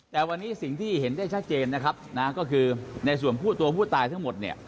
แต่วันนี้สิ่งที่เห็นได้ชัดเจนนะครับนะก็คือในส่วนผู้ตัวผู้ตายทั้งหมดเนี่ย